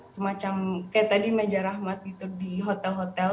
semacam seperti tadi meja rahmat di hotel hotel